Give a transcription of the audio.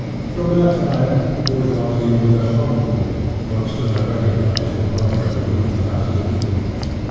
From that time, the bourgeoisie was a hum ble, but still a recognized component of the rul ing classes of England.